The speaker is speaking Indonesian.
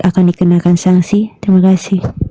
akan dikenakan sanksi terima kasih